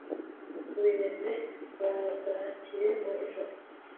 ubemeze bazakire, mu ijuru